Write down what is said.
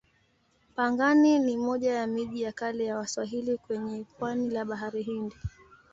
Pangani ni moja ya miji ya kale ya Waswahili kwenye pwani la Bahari Hindi.